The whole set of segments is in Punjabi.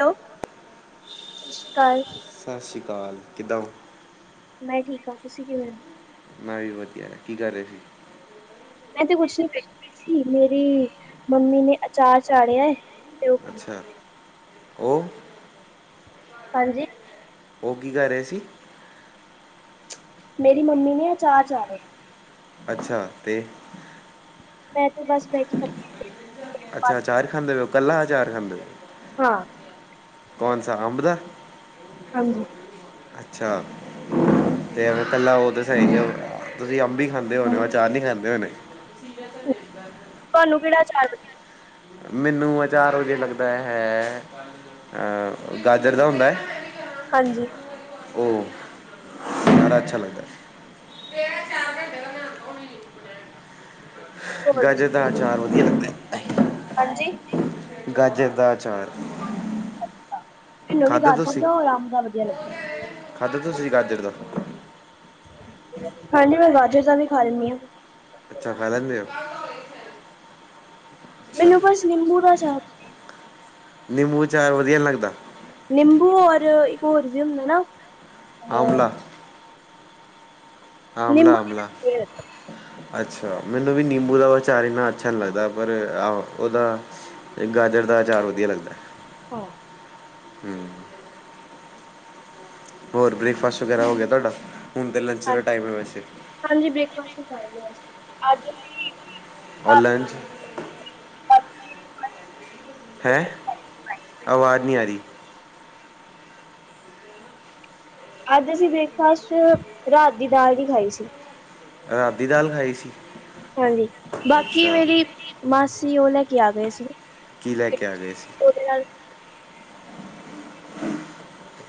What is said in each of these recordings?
ਹੈਲੋ ਸਤਿ ਸ਼੍ਰੀ ਅਕਾਲ ਦਾਲ ਕਿੱਦਾਂ ਉਂ? ਮੈਂ ਠੀਕ ਆਂ। ਤੁਸੀਂ ਕਿਵੇਂ ਔ? ਮੈਂ ਵੀ ਵਧੀਆ। ਕੀ ਕਰ ਰੇ ਸੀ? ਮੈਂ ਤੇ ਕੁਛ ਨੀ ਸੁਣਿਆ [unintelligible] ਰੀ ਸੀ ਮੇਰੀ ਮੰਮੀ ਨੇ ਅਚਾਰ ਚਾੜਿਐ। ਅੱਛਾ, ਉਹ। ਹਾਂਜੀ। ਔ ਕੀ ਕਰ ਰੇ ਸੀ? ਮੇਰੀ ਮੰਮੀ ਨੇ ਅਚਾਰ ਚਾੜਿਐ। ਅੱਛਾ ਤੇ ਮੈ ਤੇ ਬਾਸ [inaudible] ਅੱਛਾ ਚਾਰ ਖਾਂਦੇ ਪੇਓ, ਕੱਲਾ ਅਚਾਰ ਖਾਂਦੇ ਹਾਂ। ਕੋਨਸਾ ਹੰਬਰਾ ਹਾਂਜੀ। ਅੱਛਾ। ਤੇ ਐਵੇਂ ਕੱਲਾ ਔ ਤੇ ਸਈ ਤੇ ਤੁਸੀਂ ਅੰਬੀ ਖਾਂਦੇ ਔ ਨਾ, ਅਚਾਰ ਨੀ ਖਾਂਦੇ ਹੋਣੇ। ਤੁਆਨੂੰ ਕੇੜਾ ਅਚਾਰ ਵਧੀਆ ਮੈਨੂੰ ਅਚਾਰ ਵਧੀਆ ਲੱਗਦਾ ਹੈ, ਅ ਗਾਜਰ ਦਾ ਹੁੰਦਾ ਐ ਹਾਂਜੀ। ਹੂੰ, ਬੜਾ ਅੱਛਾ ਲੱਗਦੈ। ਹੋਰ ਗਾਜਰ ਦੱਸੋ ਦਾ ਅਚਾਰ ਵਧੀਆ ਲੱਗਦੇ। ਗਾਜਰ ਦਾ ਅਚਾਰ ਨਵੀਂ ਗਾਜਰ ਦਾ ਔਰ ਅੰਬ ਦਾ ਵਧੀਆ ਲੱ ਖਾਂਦੈ ਤੁਸੀ ਗਾਜਰ ਦਾ? ਹਾਂਜੀ ਮੈਂ ਬਾਾਜਰ ਦਾ ਵੀ ਖਾ ਲੈਂਨੀ ਆਂ। ਅੱਛਾ, ਖਾ ਲੈਂਦੇ ਔ। ਮੈਨੂੰ ਬਸ ਨਿੰਬੂ ਦਾ ਅਚਾਰ ਨਿੰਬੂ ਅਚਾਰ ਵਧੀਆ ਨ ਲੱਗਦਾ। ਨਿੰਬੂ ਔਰ ਇੱਕ ਹੋਰ ਵੀ ਹੁੰਦੈ ਨਾ ਆਮਲਾ ਨਿੰਬੂ ਆਮਲਾ-ਆਮਲਾ। ਅੱਛਾ, ਮੈਨੂੰ ਵੀ ਨਿੰਬੂ ਔ ਅਚਾਰ ਇੰਨਾ ਅੱਛਾ ਨ ਲੱਗਦਾ ਪਰ ਆ ਔ ਔਦਾ ਗਾਜਰ ਦਾ ਅਚਾਰ ਵਧੀਆ ਲੱਗਦੈ। ਹਾ। ਹੂੰ। ਹੋਰ ਬ੍ਰੇਕਫਾਸਟ ਵਗੈਰਾ ਹੋ ਗਿਆ ਤੁਆਡਾ, ਹੁਣ ਤੇ ਲੰਚ ਦਾ ਟਾਈਮ ਐ ਵੈਸੇ। ਬ੍ਰੇਕਫਾਸਟ ਹੀ ਹਾਂਜੀ ਅੱਜ ਔਨਲਾਈਨ 'ਚ ਰਾਤ- ਹੈਂ, ਆਵਾਜ਼ ਨੀ ਆ ਰੀ। ਅੱਜ ਅਸੀਂ ਬ੍ਰੇਕਫਾਸਟ 'ਚ ਰਾਤ ਦੀ ਦਾਲ ਵੀ ਖਾਈ ਸੀ। ਰਾਤ ਦੀ ਦਾਲ ਖਾਈ ਸੀ। ਹਾਂਜੀ, ਬਾਕੀ ਅੱਛਾ ਮੇਰੀ ਮਾਸੀ ਔ ਲੈ ਕੇ ਆ ਗਏ ਸੀ। ਕੀ ਲੈ ਕੇ ਆ ਗਏ ਸੀ? ਉਹਦੇ ਨਾਲ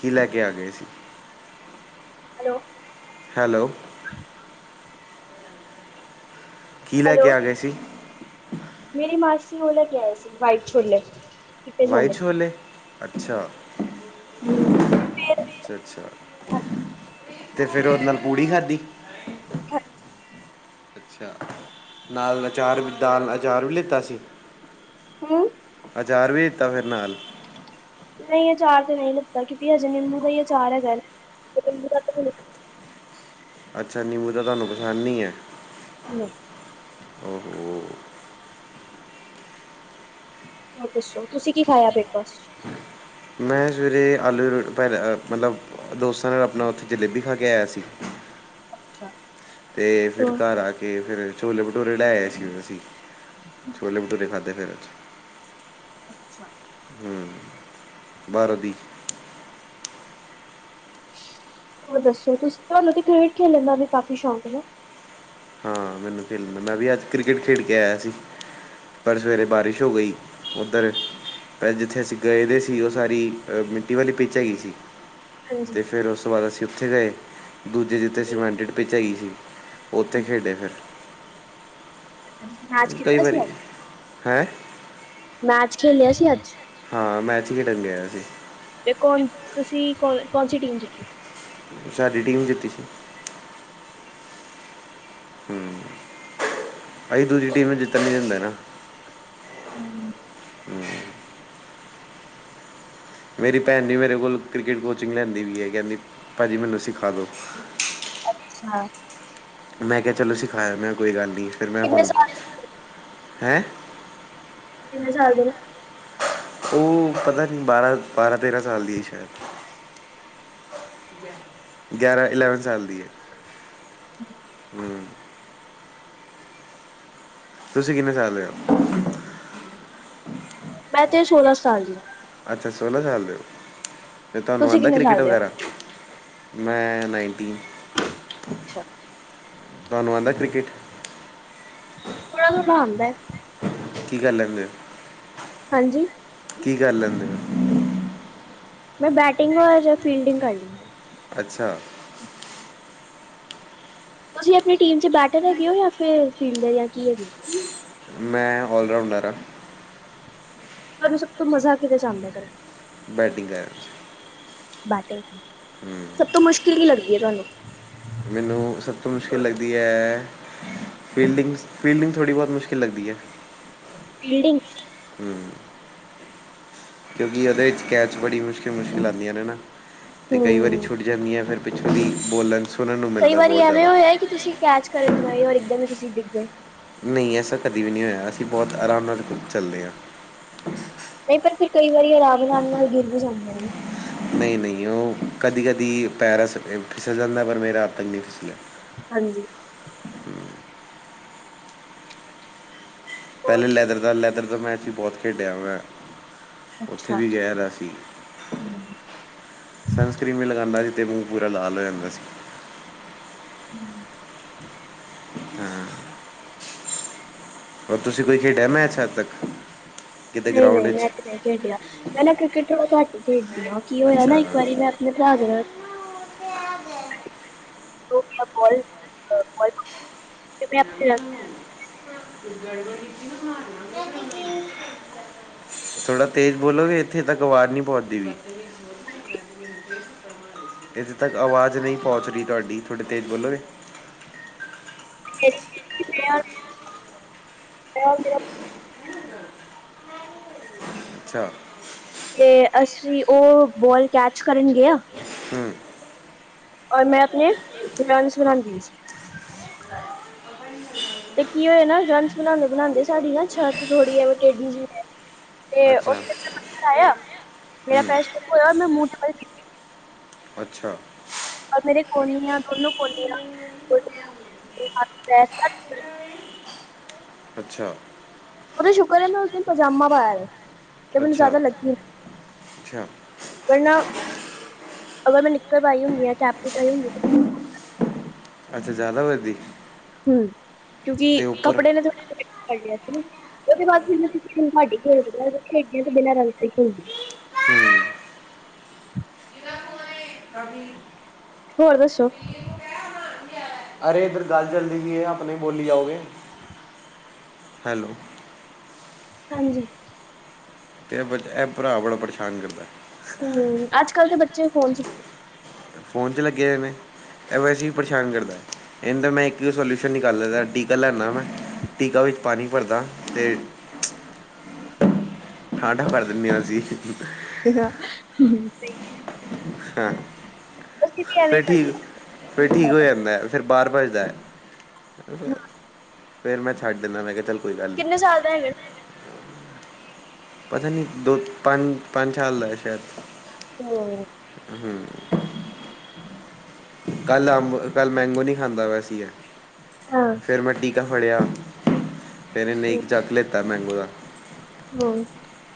ਕੀ ਲੈ ਕੇ ਆ ਗਏ ਸੀ? ਹੈਲੋ ਹੈਲੋ ਹਾਂਜੀ ਕੀ ਲੈ ਕੇ ਹੈਲੋ ਆ ਗਏ ਸੀ ਮੇਰੀ ਮਾਸੀ ਉਹ ਲੈ ਕੇ ਆਇਆ ਸੀ ਬਾਈਕ ਛੋਲੇ ਚਿੱਟੇ ਵਾਈਟ ਛੋਲੇ ਚੋਲੇ ਅੱਛਾ ਅੱਛਾ ਅੱਛਾ ਤੇ ਫੇਿਰ ਉਹਦੇ ਨਾਲ ਪੂੜੀ ਖਾਧੀ ਹਾਂਜੀ ਅੱਛਾ ਨਾਲ ਅਚਾਰ ਵੀ ਦਾਲ ਅਚਾਰ ਵੀ ਲਿੱਤਾ ਸੀ। ਹੂੰ ਅਚਾਰ ਵੀ ਦਿੱਤਾ ਫਿਰ ਨਾਲ। ਨਹੀਂ ਇਹ ਅਚਾਰ ਤੇ ਨਹੀਂ ਲੈ ਤਾਂ ਕਿਉਂਕਿ ਹਜੇ ਨਿੰਬੂ ਦਾ ਹੀ ਆ ਅਚਾਰ ਹੈਗਾ ਘਰ ਨਿੰਬੂ ਦਾ। ਅੱਛਾ ਨਿਊ ਤਾਂ ਤੁਹਾਨੂੰ ਪਸੰਦ ਨਹੀਂ ਹੈ? ਨਹੀਂ। ਓਹੋ ਹੋਰ ਦੱਸੋ ਤੁਸੀ ਕੀ ਖਾਇਆ ਬ੍ਰੇਕਫਾਸਟ 'ਚ? ਮੈਂ ਸਵੇਰੇ ਆਲੂ ਰੋਟੀ ਦੀ ਪਰ ਅ ਮਤਲਬ ਦੋਸਤਾਂ ਨਾਲ ਆਪਣਾ ਉੱਥੇ ਜਲੇਬੀ ਖਾ ਕੇ ਆਇਆ ਸੀ। ਅੱਛਾ। ਤੇ ਫਿਰ ਘਰ ਆ ਕੇ ਫਿਰ ਛੋਲੇ ਭਟੂਰੇ ਲੈ ਆਏ ਸੀ ਔ ਅਸੀ। ਛੋਲੇ ਭਟੂਰੇ ਖਾ ਤੇ ਫਿਰ ਏਰੇ 'ਚ। ਅੱਛਾ। ਹੂੰ ਬਾਹਰੋਂ ਦੀ। ਹੋਰ ਦੱਸੋ ਤੁਸੀ ਤੁਹਾਨੂੰ ਤੇ ਕ੍ਰਿਕਟ ਖੇਲਣ ਦਾ ਵੀ ਕਾਫੀ ਸ਼ੌਕ ਨਾ? ਹਾਂ ਮੈਨੂੰ ਖੇਲਣ ਦਾ ਮੈਂ ਵੀ ਅੱਜ ਕ੍ਰਿਕਟ ਖੇਡ ਕੇ ਆਇਆ ਸੀ। ਪਰ ਸਵੇਰੇ ਬਾਰਿਸ਼ ਹੋ ਗਈ ਉੱਧਰ। ਪਰ ਜਿੱਥੇ ਅਸੀਂ ਗਏ ਦੇ ਸੀ ਉਹ ਸਾਰੀ ਮਿੱਟੀ ਵਾਲੀ ਪਿੱਚ ਹੈਗੀ ਸੀ। ਹਾਂਜੀ ਤੇ ਫੇਰ ਉਸ ਤੋਂ ਬਾਅਦ ਅਸੀਂ ਉੱਥੇ ਗਏ ਦੂਜੀ ਜਿੱਥੇ ਜੀ। ਸਮੀਟਡ ਪਿੱਚ ਹੈਗੀ ਸੀ। ਉੱਥੇ ਖੇਡੇ ਫਿਰ। [unintelligible] ਸੀ ਕਈ ਵਾਰੀ ਅੱਜ? ਹੈਂ। ਮੈਚ ਖੇਲਿਆ ਸੀ ਅੱਜ। ਹਾਂ ਮੈਚ ਖੇਡਣ ਗਿਆ ਸੀ। ਤੇ ਕੌਣ ਤੁਸੀਂ ਕੌਣ ਸੀ ਟੀਮ ਜਿੱਤੀ ਸੀ? ਸਾਡੀ ਟੀਮ ਜਿੱਤੀ ਸੀ। ਹੂੰ ਅਸੀਂ ਦੂਜੀ ਟੀਮ ਨੂੰ ਜਿੱਤਣ ਨੀ ਦਿੰਦੇ ਨਾਂ। ਹੂੰ। ਮੇਰੀ ਭੈਣ ਜੀ ਮੇਰੇ ਕੋਲ ਕ੍ਰਿਕਟ ਕੋਚਿੰਗ ਲੈਂਦੀ ਵੀ ਹੈ ਕਹਿੰਦੀ ਭਾਜੀ ਮੈਨੂੰ ਸਿਖਾ ਦੋ? ਅੱਛਾ। ਮੈਂ ਕਿਹਾ ਚਲੋ ਸਿਖਾਈ ਦਿੰਨਾ ਕੋਈ ਗੱਲ ਨਹੀਂ ਫਿਰ ਮੈਂ ਕਿੰਨੇ ਹੁਣ ਸਾਲ ਹੈਂ। ਉਹ ਕਿੰਨੇ ਸਾਲ ਦੇ ਨੇ। ਉਹ ਪਤਾ ਨੀ ਬਾਰਾਂ ਬਾਰਾਂ ਤੇਰਾਂ ਸਾਲ ਦੀ ਹੈ। ਸ਼ਾਇਦ। ਗਿਆਰਾਂ ਇਲੇਵਨ ਸਾਲ ਦੀ ਹੈ। ਹੂੰ। ਹੂੰ ਤੁਸੀਂ ਕਿੰਨੇ ਸਾਲ ਦੇ ਹੋ? ਮੈਂ ਤੇ ਸੌਲਾ ਸਾਲ ਦੀ ਹਾਂ। ਅੱਛਾ ਸੋਲਾਂ ਸਾਲ ਦੇ ਹੋ। ਫੇਰ ਤੁਹਾਨੂੰ ਤੁਸੀਂ ਆਉਂਦਾ ਕਿੰਨੇ ਕ੍ਰਿਕਟ ਸਾਲ ਦੇ ਹੋ? ਵਗੈਰਾ ਮੈਂ । ਅੱਛਾ। ਤੁਹਾਨੂੰ ਆਉਂਦਾ ਕ੍ਰਿਕਟ? ਥੋੜ੍ਹਾ ਥੋੜ੍ਹਾ ਆਉਂਦਾ ਹੈ। ਕੀ ਕਰ ਲੈਂਦੇ ਹੋ? ਹਾਂਜੀ। ਕੀ ਕਰ ਲੈਂਦੇ ਹੋ? ਮੈਂ ਬੈਟਿੰਗ ਔਰ ਫੀਲਡਿੰਗ ਕਰ ਦੀ ਅੱਛਾ। ਤੁਸੀਂ ਆਪਣੀ ਟੀਮ ਚ ਬੈਟਰ ਹੈਗੇ ਹੋ, ਜਾਂ ਫਿਰ ਫੀਲਡ ਜਾਂ ਕੀ ਹੈਗੇ ਹੋ? ਮੈਂ ਆਲ ਰਾਊਂਡਰ ਹਾਂ। ਤੁਹਾਨੂੰ ਸਭ ਤੋਂ ਮਜ਼ਾ ਕਿਹਦੇ 'ਚ ਆਉਂਦਾ, ਕਰ ਬੈਟਿੰਗ ਕਰ ਬਾਟੇ ਹੂੰ ਸਭ ਤੋਂ ਮੁਸ਼ਕਿਲ ਕੀ ਲੱਗਦੀ ਹੈ ਤੁਹਾਨੂੰ। ਮੈਨੂੰ ਸਭ ਤੋਂ ਮੁਸ਼ਕਿਲ ਲੱਗਦੀ ਹੈ? ਫੀਲਡਿੰਗਸ -ਫੀਲਡਿੰਗ ਥੋੜ੍ਹੀ ਬਹੁਤ ਮੁਸ਼ਕਿਲ ਲੱਗਦੀ ਹੈ। ਫੀਲਡਿੰਗ ਹਮ ਕਿਉਂਕਿ ਉਹਦੇ ਵਿੱਚ ਕੈਚ ਬੜੀ ਮੁਸ਼ਕਿਲ- ਮੁਸ਼ਕਿਲ ਆਉਂਦੀਆਂ ਨੇ ਨਾ ਤੇ ਕਈ ਵਾਰੀ ਹੂੰ ਛੁੱਟ ਜਾਂਦੀਆਂ ਫਿਰ [inaudible] [inaudible] ਕਈ ਵਾਰੀ ਬਹੁਤ ਐਵੇਂ ਜ਼ਿਆਦਾ ਹੋਇਆ ਕਿ, ਤੁਸੀਂ ਕੈਚ ਕਰਨ ਗਏ ਔਰ ਇਕਦਮ ਹੀ ਤੁਸੀਂ ਡਿੱਗ ਗਏ ਨਹੀਂ ਐਸਾ ਕਦੇ ਵੀ ਨਹੀਂ ਹੋਇਆ ਅਸੀਂ ਬਹੁਤ ਆਰਾਮ ਨਾਲ ਚੱਲਦੇ ਹਾਂ ਨਹੀਂ ਪਰ ਫਿਰ ਕਈ ਵਾਰੀ ਆਰਾਮ ਨਾਲਮ ਨਾਲ ਗਿਰ ਵੀ ਜਾਂਦੀਆਂ ਨੇ ਨਹੀਂ ਨਹੀਂ ਉਹ ਕਦੀ ਕਦੀ ਪੈਰਾ ਫਿਸਲ ਜਾਂਦਾ ਪਰ ਮੇਰਾ ਹੱਦ ਤੱਕ ਨਹੀਂ ਫਿਸਲਿਆ ਹਾਂਜੀ ਹੋਰ ਪਹਿਲੇ ਲੈਦਰ ਦਾ ਲੈਦਰ ਦਾ ਮੈਂਚ ਹੀ ਬਹੁਤ ਖੇਡਿਆ ਮੈਂ ਉੱਥੇ ਵੀ ਗਿਆਹਾ ਸੀ ਸਨ ਸਕਕ੍ਰਰੀਨ ਵੀ ਲਗਾਉਂਦਾ ਸੀ ਦੇ ਮੂੰਹ ਪੂਰਾ ਲਾਲ ਹੋ ਜਾਂਦਾ ਸੀ ਹਮ ਹਾਂ ਹੋਰ, ਤੁਸੀਂ ਕੋਈ ਖੇਡਿਆ ਮੈਚ ਅੱਜ ਤੱਕ? ਕਿਤੇ ਨਹੀਂ ਗਰਾਊਂਡ -ਨਹੀਂ, ਵਿੱਚ ਮੈਂ ਤੇ ਨਹੀਂ ਖੇਡਿਆ ਮੈਂ ਨਾ ਕ੍ਰਿਕਟ ਥੋੜ੍ਹਾ ਘੱਟ ਹੀ ਖੇਡਦੀ ਆ, ਉਹ ਕੀ ਹੋਇਆ ਨਾ ਅੱਛਾ ਇੱਕ ਵਾਰੀ ਮੈਂ [inaudible] [unintelligible] ਥੋੜ੍ਹਾ ਤੇਜ਼ ਬੋਲੋਗੇ ਇੱਥੇ ਤੱਕ ਆਵਾਜ਼ ਨਹੀਂ ਪਹੁੰਚਦੀ ਪਈ ਇੱਥੇ ਤੱਕ ਆਵਾਜ਼ ਨਹੀਂ ਪਹੁੰਚ ਰਹੀ ਤੁਹਾਡੀ, ਥੋੜ੍ਹੇ ਤੇਜ਼ ਬੋਲੋ ਗੇ ਮ ਮ [unintelligible] ਅੱਛਾ ਤੇ ਅਸੀਂ ਉਹ ਬੋਲ ਕੈਚ ਕਰਨ ਗਿਆ ਹੂੰ ਔਰ ਮੈਂ ਆਪਣੇ ਫਰੈੰਡਸ [unintelligible] ਤੇ ਕੀ ਹੋਇਆ ਨਾ ਰੰਚ ਬਣਾਉਂਦੇ -ਬਣਾਦੇ ਸਾਡੀ ਨਾ ਛੱਤ ਥੋੜ੍ਹੀ ਜੀ ਟੇਡੀ ਜਿਹੀ ਹੈ ਤੇ ਉਸ ਅੱਛਾ ਮੈਂ ਪੱਥਰ ਆਇਆ, ਤੇ ਮੇਰਾ ਹੂੰ ਪੈਰ ਸਿਲਿਪ ਹੋਇਆ ਮੈਂ ਮੂੰਹ ਦੇ ਬਲ ਗਿਰ ਗਈ ਅੱਛਾ ਤੇ ਮੇਰੇ ਕੋਨੀਆਂ ਦੋਨੋ ਕੋਨੀਆਂ ਕੋਲੀਆਂ ਤੇ ਸ [unintelligible] ਅੱਛਾ ਉਹਦਾ ਸ਼ੁਕਰ ਹੈ ਮੈਂ ਉਸ ਦਿਨ ਪਜਾਮਾ ਪਾਇਆ ਤੇ ਮੈਨੂੰ ਅੱਛਾ ਜ਼ਿਆਦਾ ਲੱਗੀ ਨਹੀਂ ਅੱਛਾ ਵਰਨਾ [inaudible] ਅਗਰ ਮੈਂ ਨਿਕਰ ਪਾਈ ਹੁੰਦੀ, ਜਾ ਕੈਪਰੀ ਪਾਈ ਹੁੰਦੀ ਅੱਛਾ ਜ਼ਿਆਦਾ ਵਜੀ ਹਮ ਕਿਉਂਕਿ ਕੱਪੜੇ ਪੜਿਆ ਸੀ ਉਹਦੇ ਬਾਅਦ ਫ ਤੁਹਾਡੀ ਖੇ ਖੇਡ ਤੇ ਬਿਨਾਂ ਰਲ ਤੇ ਹੀ ਖੇਡਦੇ [inaudible] [unintelligible] ਹੋਰ ਦੱਸੋ ਅਰੇ ਇੱਧਰ ਗੱਲ ਜਲਦੀ ਪਈ ਹੈ। ਆਪਣੇ ਬੋਲੀ ਜਾਓਗੇ ਹੈਲੋ ਹਾਂਜੀ ਤੇ ਬ ਇਹ ਭਰਾ ਬੜਾ ਪਰੇਸ਼ਾਨ ਕਰਦਾ ਹਮ ਅੱਜ ਕੱਲ੍ਹ ਦੇ ਬੱਚੇ ਫੋਨ ਚ ਫੋਨ ਤੇ ਲੱਗੇ ਹੋ ਨੇ ਵੈਸੇ ਵੀ ਪਰੇਸ਼ਾਨ ਕਰਦਾ ਇਹਦਾ ਮੈਂ ਇੱਕ ਸੋਲਿਊਸ਼ਨ ਨਿਕਲਿਆ ਦਾਅਵੇ ਟੀਕਾ ਲੈਦਾ ਮੈਂ ਟਟੀਕਾ ਵਿੱਚ ਪਾਣੀ ਭਰਦਾ ਅਤੇ [inaudible] ਆਖਰ ਕਰ ਦਿੰਦੇ ਅਸੀਂ [inaudible] ਹ ਅਸੀਂ ਵੀ ਐਵੇਂ ਹੀ ਫਿਰ ਠੀਕ ਕਰਦੇ ਫਿਰ ਆ ਠੀਕ ਹੋ ਜ਼ਿਆਦਾ ਜਾਂਦਾ ਫੇਰ ਬਾਹਰ ਭੱਜਦਾ ਐ ਫ ਫੇਰ ਮੈਂ ਛੱਡ ਦਿੰਦਾ। ਮੈਂ ਕਿਹਾ ਚੱਲ ਕੋਈ ਗੱਲ ਕਿੰਨੇ ਨਹੀਂ ਸਾਲ ਦਾ ਇਹ ਪਤਾ ਨਹੀਂ ਦੋ- ਪੰਜ- ਪੰਜ ਸਾਲ ਦਾ ਸ਼ਾਇਦ ਹੂ ਹੂ ਕੱਲ ਅੰਬ ਕੱਲ ਮੈਂਗੋ ਨਹੀਂ ਖਾਂਦਾ ਵੈ ਸੀ ਹਾਂ ਫੇਰ ਮੈਂ ਟੀਕਾ ਫੜਿਆ ਤੇ ਇਹਨੇ ਨਹੀਂ ਜੱਗ ਲਿੱਤਾ ਮੈਗੋ ਦਾ ਹੂ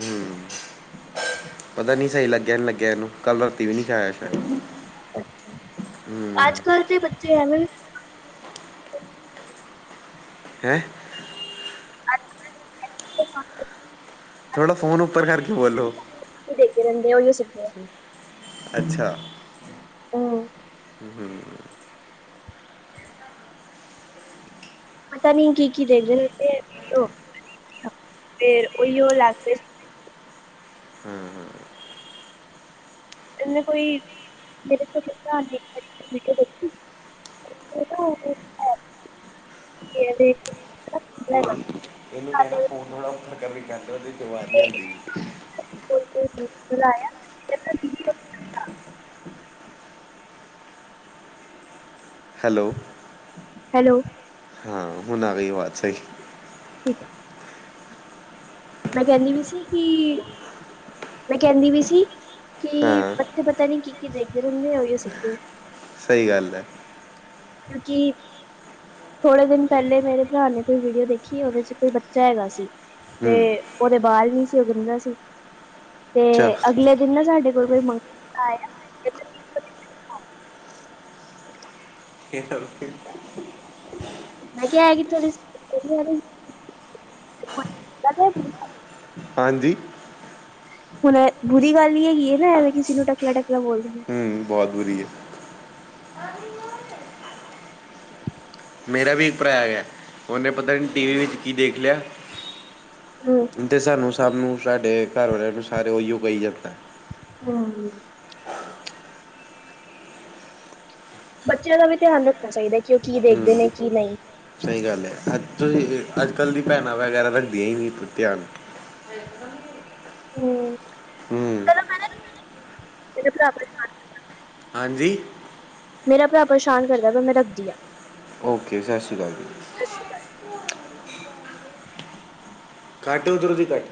ਹੂੰ ਪਤਾ ਨੀ ਸਹੀ ਲੱਗਿਆ ਨੀ ਲੱਗਿਆ ਇਹਨੂੰ ਕੱਲ ਰਾਤੀ ਵੀ ਨੀ ਖਾਇਆ ਸ਼ਾਇਦ ਅੱਜ ਹਮ ਕੱਲ ਬੱਚੇ ਹੈ ਨਾ ਹੈਂ ਅ ਥੋੜ੍ਹਾ ਫੋਨ ਉੱਪਰ ਕਰਕੇ ਬੋਲੋ ਰਦੇ ਉਹ ਸੀਖਦੇ ਅੱਛਾ। ਹੂ ਹੂੰ ਪਤਾ ਨੀ ਕੀ ਕੀ ਦਿੰਦੇ ਉੱਥੇ ਫਿਰ ਉਹੀਓ ਰਹਿੰਦੇ। ਹਾਂ ਹਾਂ ਇਹਨ ਕੋਈ ਮੇਰੇ ਛੋਟੇ ਭਰਾ ਉਹ ਨਾ ਉਹ ਐਪੀ ਦੇ [unintelligible] ਹੋਈ ਸਾਡੇ ਇਹਨੂੰ ਕਹਿਣਾ ਫੋਨ ਥੜਾ ਇਨੂੰ ਤੱਦੀ ਕਹਿੰਦੇ ਆ, ਬਿਮਾਰ ਉੱਤੇ ਹੁੰਦੀ ਗੀ। [inaudible] ਹੈਲੋ ਹੈਲੋ ਹੁਨ ਆ ਗਈ ਵਾਜ ਸਹੀ। ਠੀਕ ਹੈ। ਮੈਂ ਕਹਿੰਦੀ ਵੀ ਸੀ। ਕੀ ਮੈਂ ਕਹਿੰਦੀ ਪੀ ਸੀ। ਕੀ ਹਾਂ ਬੱਚੇ ਪਤਾ ਨੀ ਕੀ-ਕੀ ਦੇਖਦੇ ਰਹਿੰਦੇ ਆ ਉਹੀਓ ਸਿੱਖਦੇ ਐ। ਸਹੀ ਗੱਲ ਹੈ। ਕਿਉਂਕਿ ਥੋੜੇ ਦਿਨ ਪਹਿਲੇ ਮੇਰੇ ਭਰਾ ਨੇ ਕੋਈ ਵੀਡੀਓ ਦੇਖੀ ਉਹਦੇ ਚ ਕੋਈ ਬੱਚਾ ਹੈਗਾ ਸੀ। ਤੇ ਹੂੰ ਉਹਦੇ ਬਾਲ ਨ ਸੀ ਉਹ ਗੰਜਾ ਸੀ, ਤੇ ਅੱਛਾ ਅਗਲੇ ਦਿਨ ਨਾ ਸਾਡੇ ਮੰਗਤਾ ਆਇਆ ਇਹ ਤਾਂ ਫਿਰ ਮੈਂ ਕਿਹਾ ਕਿੱਥੋ ਹਾਂਜੀ ਹੁਣ ਬੁਰੀ ਗੱਲ ਨੀ ਹੈਗੀ ਹੈ ਨਾ ਐਵੇਂ ਕਿਸੇ ਨੂੰ ਟਕਲਾ-ਟਕਲਾ ਬੋਲਦੇਣਾ। ਹੂ, ਬਹੁਤ ਬੁਰੀ ਹੈ। ਮੇਰਾ ਵੀ ਇੱਕ ਭਰਾ ਹੈ। ਉਹਨੇ ਪਤਾ ਨਹੀਂ ਟੀਵੀ ਵਿੱਚ ਕੀ ਦੇਖ ਲਿਆ ਹਮ ਤੇ ਸਾਨੂੰ ਸਭ ਨੂੰ ਸਾਡੇ ਘਰ ਵਾਲਿਆਂ ਨੂੰ ਸਾਰੇ ਉਹੀਓ ਕਹੀ ਜਾਂਦਾ ਐ। ਹੂ ਬੱਚਿਆਂ ਦਾ ਵੀ ਧਿਆਨ ਰੱਖਣਾ ਚਾਹੀਦਾ ਕਿ ਉਹ ਕੀ ਹੂੰ ਦੇਖਦੇ ਨੇ ਕੀ ਨਹੀਂ ਸਹੀ ਗੱਲ ਹੈ। ਅੱਜ ਅੱਜ ਕੱਲ ਦੀ ਭੈਣਾਂ ਵਗੈਰਾ ਰੱਖਦੀਆਂ ਹੀ ਨਹੀਂ ਧਿਆਨ ਹਮ ਹਮ ਇਹਨ ਪ੍ਰਬ ਹਾਂਜੀ ਮੇਰਾ ਭਰਾ ਪਰੇਸ਼ਾਨ ਕਰਦਾ ਵ ਮੈਂ ਰੱਖਦੀ ਹਾਂ ਓਕੇ ਜੀ ਸਤਿ ਸ਼੍ਰੀ ਅਕਾਲ ਜੀ ਘਾਟ ਉਧਰ ਦੀ ਘੱਟ